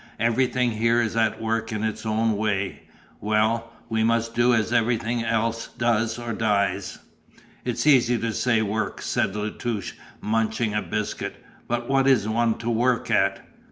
Everything here is at work in its own way. Well, we must do as everything else does or die." "It's easy to say work," said La Touche munching a biscuit, "but what is one to work at?"